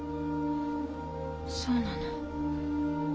そうなの。